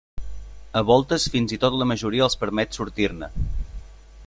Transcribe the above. A voltes fins i tot la majoria els permet sortir-ne.